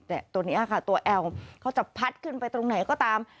แต่ตัวนี้ค่ะตัวแอลเขาจะพัดขึ้นไปตรงไหนก็ตาม